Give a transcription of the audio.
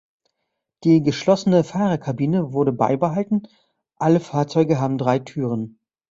Die geschlossene Fahrerkabine wurde beibehalten, alle Fahrzeuge haben drei Türen.